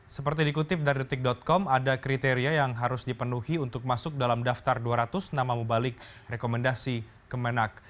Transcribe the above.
seperti dikutip dari detik com ada kriteria yang harus dipenuhi untuk masuk dalam daftar dua ratus nama mubalik rekomendasi kemenang